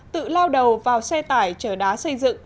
tự lao đầu vào xe tải chở đá xây dựng